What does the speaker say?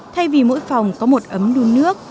thay vì mỗi phòng có một ấm đun nước